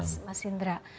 begini pak mas indra